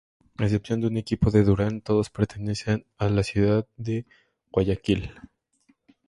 A excepción de un equipo de Durán, todos pertenecen a la ciudad de Guayaquil.